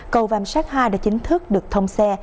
cầu vàm sát hai đã chính thức được thông xe